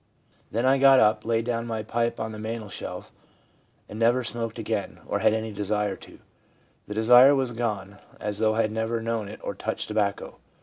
Then I got up, laid my pipe on the mantelshelf, and never smoked again, or had any desire to. The desire was gone as though I had never known it or touched tobacco.